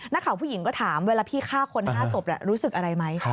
นักข่าวผู้หญิงก็ถามเวลาพี่ฆ่าคน๕ศพรู้สึกอะไรไหม